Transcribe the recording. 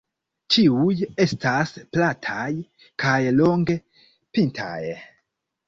Ĉiuj estas plataj kaj longe pintaj.